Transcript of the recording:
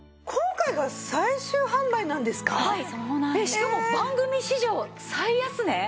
しかも番組史上最安値？